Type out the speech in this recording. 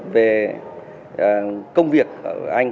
về công việc ở anh